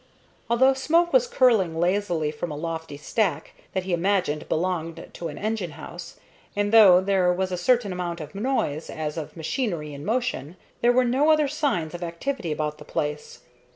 Although smoke was curling lazily from a lofty stack, that he imagined belonged to an engine house, and though there was a certain amount of noise, as of machinery in motion, there were no other signs of activity about the place.